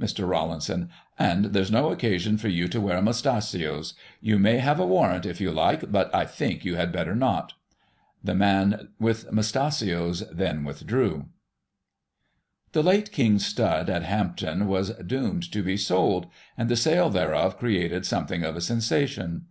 Mr. Rawlinson: And there's no occasion for you to wear mustachios. You may have a warrant, if you like, but I think you had better not. The man with mustachios then withdrew. The late King's stud at Hampton was doomed to be sold, and the sale thereof created something of a sensation.